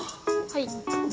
はい。